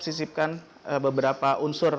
sisipkan beberapa unsur